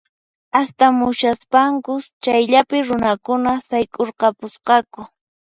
Astamushaspankus chayllapi runakuna sayk'urqapusqaku